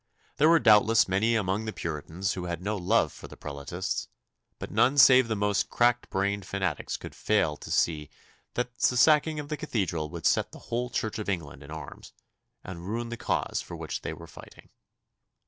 There were doubtless many among the Puritans who had no love for the Prelatists, but none save the most crack brained fanatics could fail to see that the sacking of the Cathedral would set the whole Church of England in arms, and ruin the cause for which they were fighting.